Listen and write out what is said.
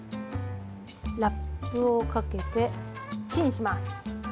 ラップをかけてチンします。